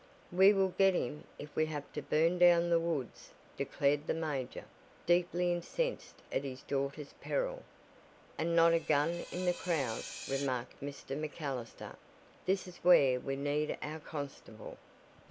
"We will get him if we have to burn down the woods," declared the major, deeply incensed at his daughter's peril. "And not a gun in the crowd," remarked Mr. MacAllister. "This is where we need our constable."